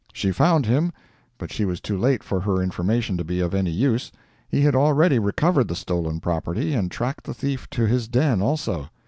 She found him, but she was too late for her information to be of any use—he had already recovered the stolen property and tracked the thief to his den also.